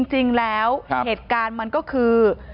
จริงแล้วเหตุการณ์มันก็คือ